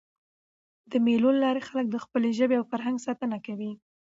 د مېلو له لاري خلک د خپلي ژبي او فرهنګ ساتنه کوي.